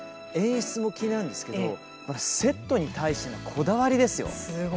演出も気になるんですがセットに対してのこだわりですよ。